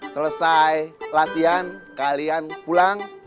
selesai latihan kalian pulang